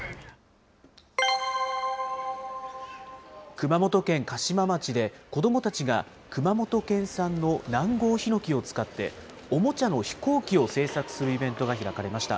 熊本県嘉島町で、子どもたちが熊本県産の南郷檜を使って、おもちゃの飛行機を製作するイベントが開かれました。